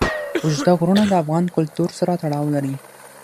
اوږده غرونه د افغان کلتور سره تړاو لري.